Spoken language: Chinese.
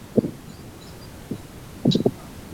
其自然栖息地为亚热带或热带的湿润低地森林。